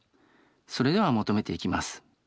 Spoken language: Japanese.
それでは求めていきます。